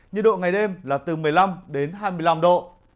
nhiệt độ ngày đêm là từ một mươi năm đến hai mươi năm độ